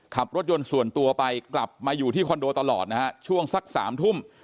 ขับรถยนต์ส่วนตัวไปกลับมาอยู่ที่คอนโดตลอดนะฮะช่วงสัก๓ทุ่ม